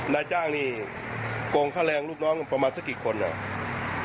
นายจ้างนี่โกงค่าแรงลูกน้องประมาณสักกี่คนอ่ะ